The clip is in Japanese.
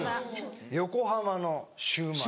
横浜のシューマイ。